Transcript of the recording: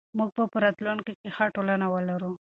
موږ به په راتلونکي کې ښه ټولنه ولرو.